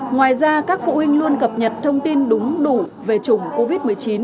ngoài ra các phụ huynh luôn cập nhật thông tin đúng đủ về chủng covid một mươi chín